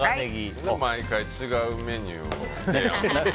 毎回、違うメニューを提案する。